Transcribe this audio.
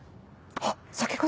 あっ酒粕！